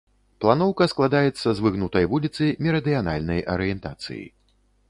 Планоўка складаецца з выгнутай вуліцы мерыдыянальнай арыентацыі.